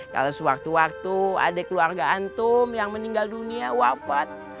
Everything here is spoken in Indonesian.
kalau sewaktu waktu ada keluarga antum yang meninggal dunia wafat